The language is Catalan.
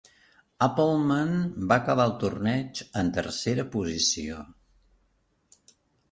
Appleman va acabar el torneig en tercera posició.